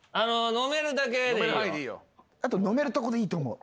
飲めるとこでいいと思う。